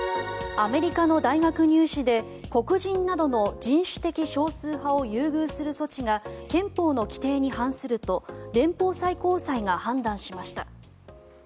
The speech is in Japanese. アメリカの大学入試で黒人などの人種的少数派を優遇する措置が憲法の規定に反すると連邦最高裁が判断しました。